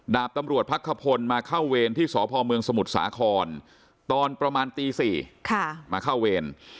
ดาบตำรวจพักขพลมาเข้าเวรที่สพเมืองสมุทรสาครตอนประมาณตี๔มาเข้าเวร